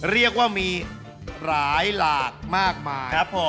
เรียกว่ามีหลายหลากมากมาย